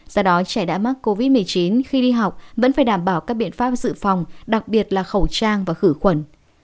do đó trẻ đã mắc covid một mươi chín khi đi học vẫn phải đảm bảo các biện pháp dự phòng đặc biệt là khẩu trang và khử khuẩn